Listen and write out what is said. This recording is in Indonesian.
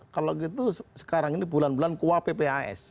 kalau begitu sekarang ini bulan bulan kuap pps